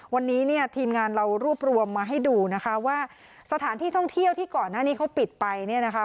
วันนี้เนี่ยทีมงานเรารวบรวมมาให้ดูนะคะว่าสถานที่ท่องเที่ยวที่ก่อนหน้านี้เขาปิดไปเนี่ยนะคะ